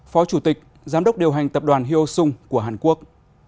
phó chủ tịch giám đốc điều hành tập đoàn hyo sung của hàn quốc